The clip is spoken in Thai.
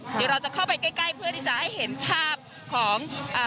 เดี๋ยวเราจะเข้าไปใกล้ใกล้เพื่อที่จะให้เห็นภาพของอ่า